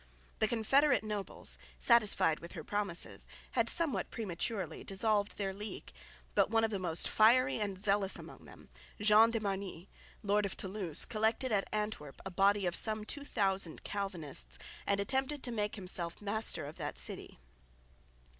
The confederate nobles, satisfied with her promises, had somewhat prematurely dissolved their league; but one of the most fiery and zealous among them, John de Marnix, lord of Thoulouse, collected at Antwerp a body of some 2000 Calvinists and attempted to make himself master of that city.